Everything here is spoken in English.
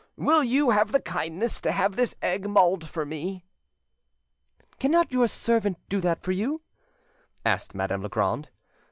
Would you have the kindness to have this egg mulled for me?" "Cannot your servant do that for you?" asked Madame Legrand.